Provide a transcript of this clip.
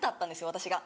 私が。